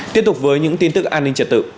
tiếp tục với những tin tức an ninh trật tự